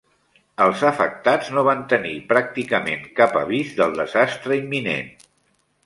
Els afectats no van tenir pràcticament cap avís del desastre imminent.